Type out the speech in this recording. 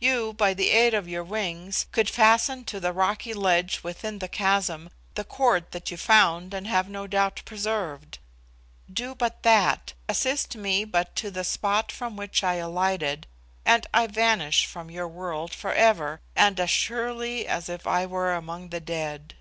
You, by the aid of your wings, could fasten to the rocky ledge within the chasm the cord that you found, and have no doubt preserved. Do but that; assist me but to the spot from which I alighted, and I vanish from your world for ever, and as surely as if I were among the dead."